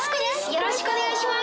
よろしくお願いします。